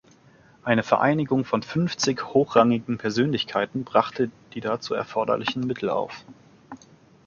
Eine Vereinigung von fünfzig hochrangigen Persönlichkeiten brachte die dazu erforderlichen Mittel auf.